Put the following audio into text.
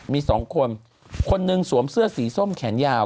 มีสองคนคนหนึ่งสวมเสื้อสีส้มแขนยาว